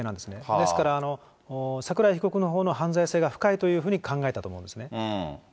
ですから、桜井被告のほうの犯罪性が深いというふうに考えたと思うんですね。